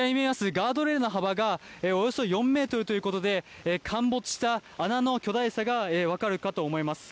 ガードレールの幅がおよそ４メートルということで、陥没した穴の巨大さが分かるかと思います。